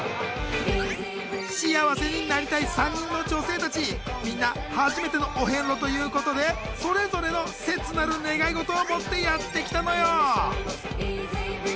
幸せになりたい３人の女性たちみんな初めてのお遍路ということでそれぞれの切なる願い事を持ってやってきたのよー